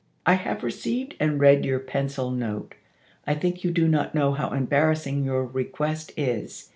I have received and read your pencil note. I think you do not know how embarrassing your request is.